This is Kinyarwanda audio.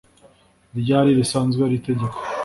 ryari risanzwe ari itegeko